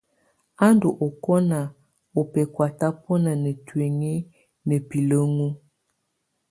A ndù ɔkɔna ù bɛkɔ̀á tabɔna na tuinyii na bilǝŋu.